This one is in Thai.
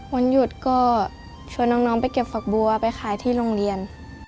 วันหยุดก็ชวนน้องไปเก็บฝักบัวไปขายที่โรงเรียน